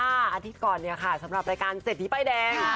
อาทิตย์ก่อนเนี่ยค่ะสำหรับรายการเศรษฐีป้ายแดง